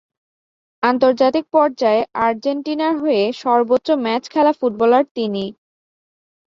আন্তর্জাতিক পর্যায়ে আর্জেন্টিনার হয়ে সর্বোচ্চ ম্যাচ খেলা ফুটবলার তিনি।